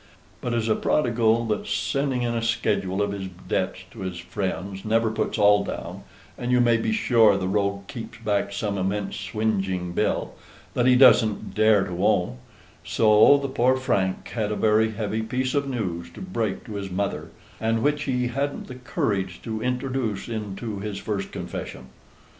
But, as a prodigal that's sending in a schedule of his debts to his friends, never puts all down, and, you may be sure, the rogue keeps back some immense swingeing bill, that he doesn't dare to own; so the poor Frank had a very heavy piece of news to break to his mother, and which he hadn't the courage to introduce into his first confession.